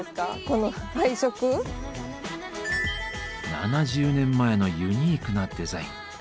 ７０年前のユニークなデザイン。